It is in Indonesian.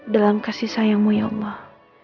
dalam kasih sayangmu ya allah